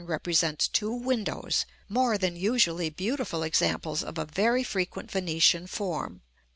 represents two windows, more than usually beautiful examples of a very frequent Venetian form.